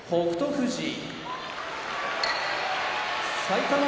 富士埼玉県出身